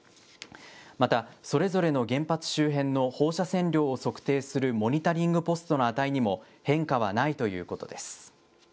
また、それぞれの原発周辺の放射線量を測定するモニタリングポストの値にも、変化はないということです。